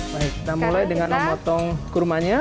baik kita mulai dengan memotong kurmanya